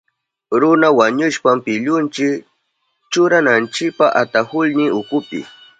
Runa wañushpan pillunchi churananchipa atahulnin ukupi.